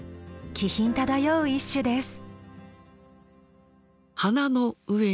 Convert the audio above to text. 気品漂う一首です。